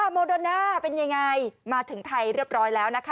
โมโดน่าเป็นยังไงมาถึงไทยเรียบร้อยแล้วนะคะ